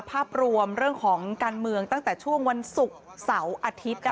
ภาพรวมเรื่องของการเมืองตั้งแต่ช่วงวันศุกร์เสาร์อาทิตย์